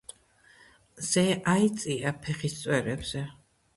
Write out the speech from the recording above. მზე აიწია ფეხის წვერებზე.